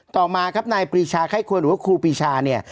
ต่อมาครับนายปรีชาไข้ควรหรือว่าครูปีชาเนี่ย